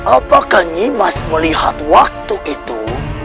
apakah nyimas melihat waktu itu